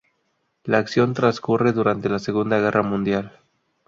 La acción transcurre durante la Segunda Guerra Mundial.